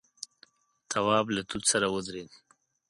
تواب له توت سره ودرېد.